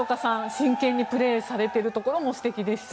真剣にプレーされているところも素敵でした。